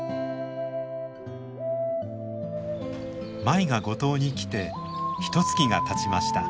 舞が五島に来てひとつきがたちました。